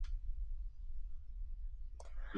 Pero el resultado fue muy gratificante", recuerda.